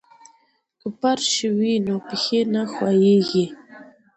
که فرش وي نو پښې نه ښویېږي.